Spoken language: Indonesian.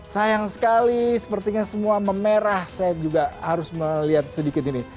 sayang sekali sepertinya semua memerah saya juga harus melihat sedikit ini